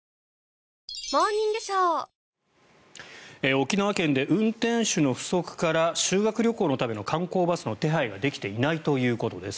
沖縄県で運転手の不足から修学旅行のための観光バスの手配ができていないということです。